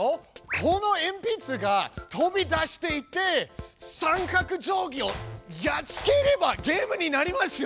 このえんぴつが飛び出していって三角定規をやっつければゲームになりますよ！